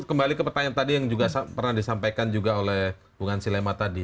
kembali ke pertanyaan tadi yang juga pernah disampaikan juga oleh bung ansi lema tadi